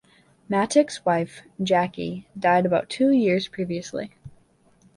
Mattick's wife Jackie died about two years previously.